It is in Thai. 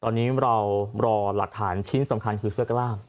ตอนนี้เรารอหลักฐานชิ้นสำคัญคือเสื้อกล้าม